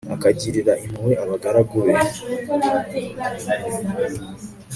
akagirira impuhwe abagaragu be